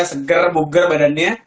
seger buger badannya